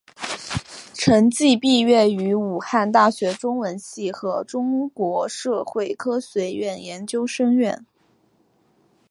陈晋毕业于武汉大学中文系和中国社会科学院研究生院。